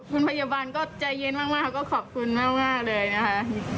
คุณพยาบาลก็ใจเย็นมากก็ขอบคุณมากเลยนะคะ